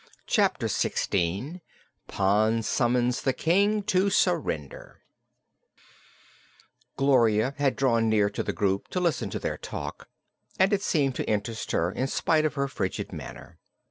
Chapter Sixteen Pon Summons the King to Surrender Gloria had drawn near to the group to listen to their talk, and it seemed to interest her in spite of her frigid manner.